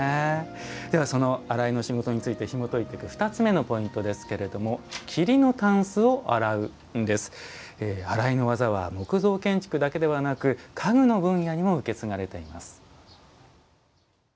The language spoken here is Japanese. ではその「洗いの仕事」についてひもといていく２つ目のポイントですけれども洗いの技は木造建築だけではなく家具の分野にも受け継がれています。